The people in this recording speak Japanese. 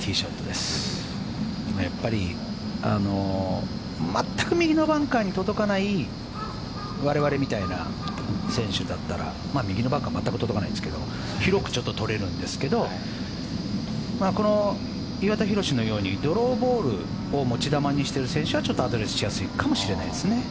やっぱり全く右のバンカーに届かない我々みたいな選手だったら右のバンカー全く届かないんですけど広くちょっととれるんですけど岩田寛のようにドローボールを持ち球にしている選手はちょっとアドレスしやすいかもしれないですね。